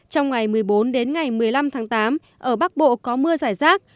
trong ngày một mươi bốn đến ngày một mươi năm tháng tám ở bắc bộ có mưa giải rác